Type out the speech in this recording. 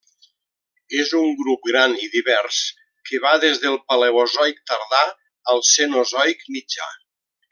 És un grup gran i divers que va des del Paleozoic tardà al Cenozoic mitjà.